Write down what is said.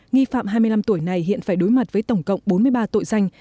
nghi phạm hai mươi năm tuổi này hiện phải đối mặt với tổng cộng bốn mươi ba tội danh